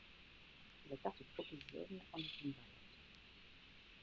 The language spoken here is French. La Tarte tropézienne en est une variante.